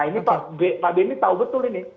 nah pak bini tahu betul ini